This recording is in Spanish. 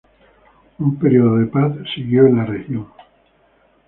Un periodo de paz siguió en la región.